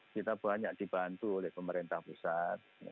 kita banyak dibantu oleh pemerintah pusat